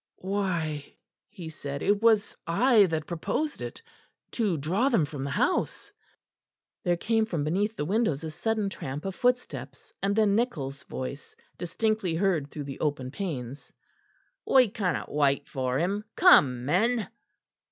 "Why," he said, "it was I that proposed it; to draw them from the house." There came from beneath the windows a sudden tramp of footsteps, and then Nichol's voice, distinctly heard through the open panes. "We cannot wait for him. Come, men."